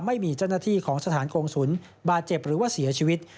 ไม่มีเจ้าหน้าที่ของสถานกงศูนย์บาดเจ็บหรือว่าเสียชีวิต